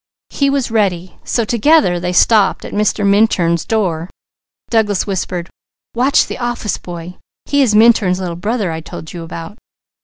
He was ready, so together they stopped at Mr. Minturn's door. Douglas whispered: "Watch the office boy. He is Minturn's Little Brother I told you about."